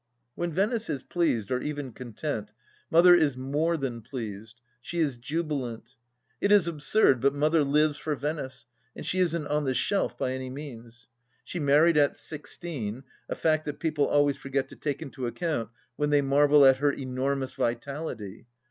When Venice is pleased, or even content, Mother is more than pleased — she is jubilant. It is absurd, but Mother lives for Venice, and she isn't on the shelf by any means. She married at sixteen, a fact that people always forget to take into account when they marvel at her enormous vitality.